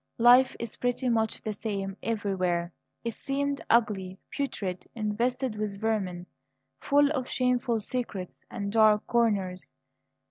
Life is pretty much the same everywhere, it seemed; ugly, putrid, infested with vermin, full of shameful secrets and dark corners.